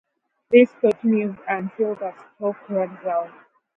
This continues until the stock runs out.